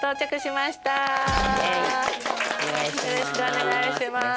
お願いします。